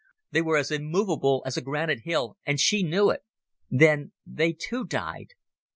They were as immovable as a granite hill and she knew it.... Then they, too, died."